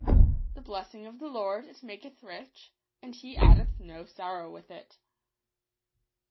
" The blessing of the Lord, it maketh rich, and lie addeth no sorrow with it."